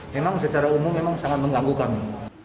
memang secara umum memang sangat mengganggu kami